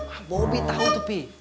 ah bobi tau tuh bi